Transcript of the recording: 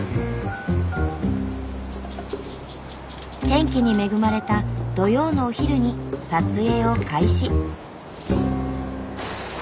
天気に恵まれた土曜のお昼に撮影を開始。